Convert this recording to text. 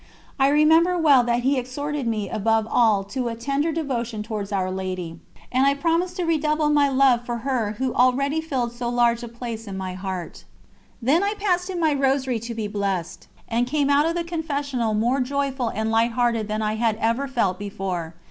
I remember well that he exhorted me above all to a tender devotion towards Our Lady, and I promised to redouble my love for her who already filled so large a place in my heart. Then I passed him my Rosary to be blessed, and came out of the Confessional more joyful and lighthearted than I had ever felt before.